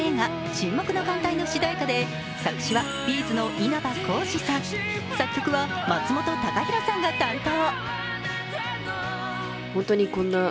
「沈黙の艦隊」の主題歌で作詞はＢ’ｚの稲葉浩志さん作曲は松本孝弘さんが担当。